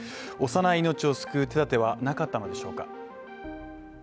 幼い命を救う手だてはなかったのでしょうか。